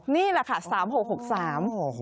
นี่แหละค่ะ๓๖๖๓